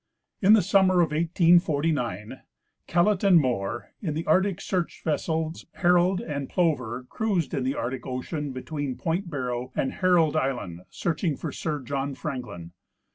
In the summer of 1849, Kellett and Moore, in the Arctic search vessels Herald and Plover, cruised in the Arctic ocean, between point Barrow and Herald island, searching for Sir John Frank lin.